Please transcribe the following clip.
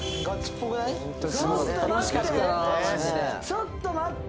ちょっと待って！